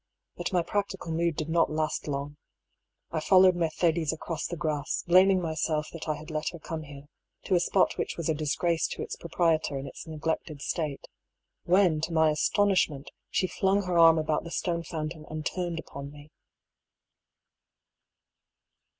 But my practical mood did not last long. I followed Mercedes across the grass, blaming myself that I had let her EXTRACT FROM DIARY OP DR. HUGH PAULL. 265 come here, to a spot which was a disgrace to its pro prietor in its neglected state — when to my astonishment she flang her arm about the stone fountain and turned upon me.